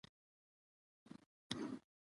افغانستان د جلګه په اړه مشهور تاریخی روایتونه لري.